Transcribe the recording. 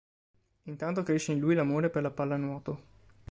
Intanto cresce in lui l'amore per la pallanuoto.